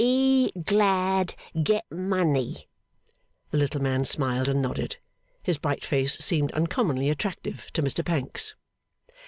E glad get money.' The little man smiled and nodded. His bright face seemed uncommonly attractive to Mr Pancks.